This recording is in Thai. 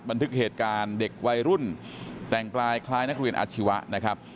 บันทึกเหตุการณ์เด็กวัยรุ่นแต่งกายคล้ายนักเรียนอาชีวะนะครับ